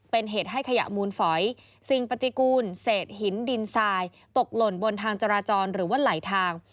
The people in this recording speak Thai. เป็นเหตุให้ขยะมูลฝอยสิ่งปฏิกูลเศษหินดินทรายตกหล่นบนทางจราจรหรือว่าไหลทาง